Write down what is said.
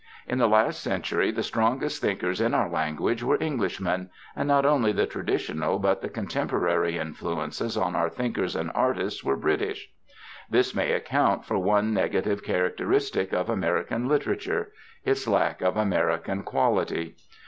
In the last century the strongest thinkers in our language were Englishmen, and not only the traditional but the contemporary influences on our thinkers and artists were British. This may account for one negative characteristic of American literature its lack of American quality.